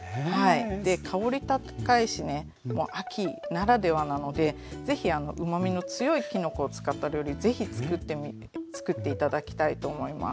で香り高いしねもう秋ならではなのでぜひうまみの強いきのこを使った料理ぜひつくって頂きたいと思います。